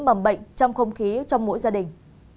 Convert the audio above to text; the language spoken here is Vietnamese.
mầm bệnh trong không khí trong mỗi gia đình